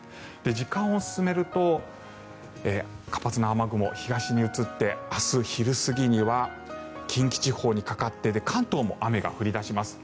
時間を進めると活発な雨雲が東に移って明日昼過ぎには近畿地方にかかって関東も雨が降り出します。